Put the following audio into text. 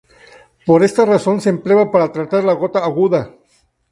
Por esta razón se empleaba para tratar la gota aguda.